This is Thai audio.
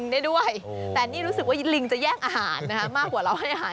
ได้ด้วยแต่นี่รู้สึกว่าลิงจะแย่งอาหารนะคะมากกว่าเราให้อาหาร